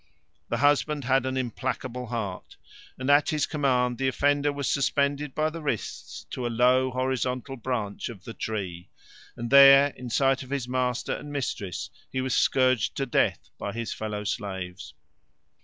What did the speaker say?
The husband had an implacable heart, and at his command the offender was suspended by the wrists to a low, horizontal branch of "The Tree," and there, in sight of his master and mistress, he was scourged to death by his fellow slaves.